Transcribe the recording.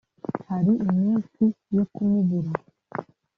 hari iminsi yo kumubura